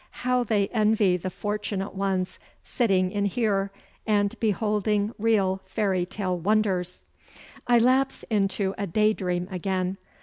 How they envy the fortunate ones sitting in here and beholding real fairy tale wonders! I lapse into a day dream again.